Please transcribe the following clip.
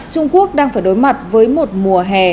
trung quốc đang phải đối mặt với một mùa hè